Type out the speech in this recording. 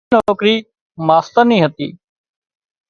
اي نوڪرِي ماسترِي نِي هتي